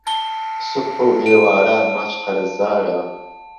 سوبح و ئێواره، ماچ قهرزداره